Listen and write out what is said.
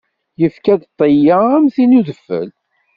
Yefka-d ṭṭya, am tin n udfel.